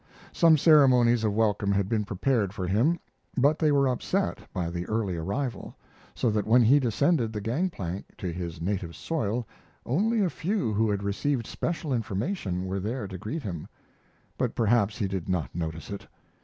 Some ceremonies of welcome had been prepared for him; but they were upset by the early arrival, so that when he descended the gang plank to his native soil only a few who had received special information were there to greet him. But perhaps he did not notice it.